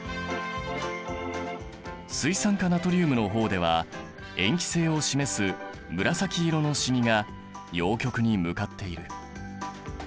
水酸化ナトリウムの方では塩基性を示す紫色の染みが陽極に向かっている。